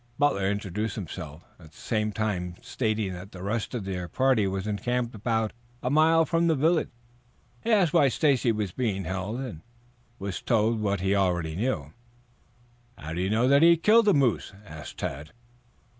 Butler introduced himself, at the same time stating that the rest of their party was encamped about a mile from the village. He asked why Stacy was being held, and was told what he already knew. "How did you know that he had killed a moose?" asked Tad.